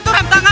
itu rem tangan